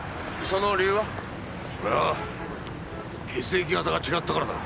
それは血液型が違ったからだ。